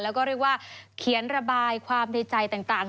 แล้วก็เรียกว่าเขียนระบายความในใจต่าง